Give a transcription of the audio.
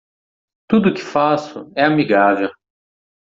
Tudo que faço é amigável.